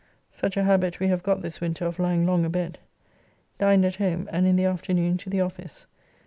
Such a habit we have got this winter of lying long abed. Dined at home, and in the afternoon to the office.